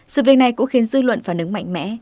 sự việc này cũng khiến dư luận phản ứng mạnh mẽ